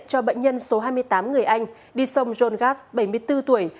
cho bệnh nhân số hai mươi tám người anh đi sông john gaff bảy mươi bốn tuổi